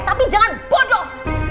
tapi jangan bodoh